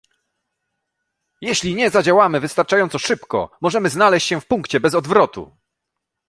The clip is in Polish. Jeśli nie zadziałamy wystarczająco szybko, możemy znaleźć się w punkcie bez odwrotu